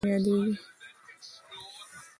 سایټوپلازمیک غشا په نوم یادیږي.